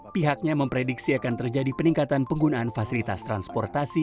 pihaknya memprediksi akan terjadi peningkatan penggunaan fasilitas transportasi